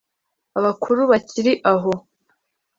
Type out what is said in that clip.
abakuru bakili aho